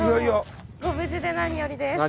ご無事で何よりです。